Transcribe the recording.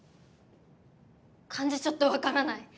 漢字ちょっと分からない。